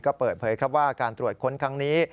ก็เปิดเผยครับว่าการตรวจค้นครั้งนี้